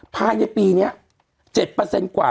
ผ่านปีนี้๗กว่า